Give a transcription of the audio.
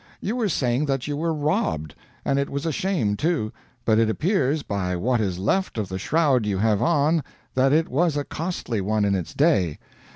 You were saying that you were robbed and it was a shame, too but it appears by what is left of the shroud you have on that it was a costly one in its day.